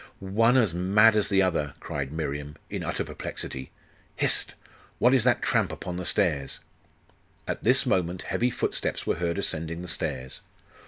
'One as mad as the other!' cried Miriam, in utter perplexity. 'Hist! what is that tramp upon the stairs?' At this moment heavy footsteps were heard ascending the stairs....